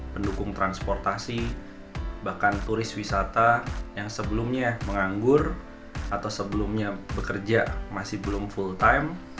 pendukung transportasi bahkan turis wisata yang sebelumnya menganggur atau sebelumnya bekerja masih belum full time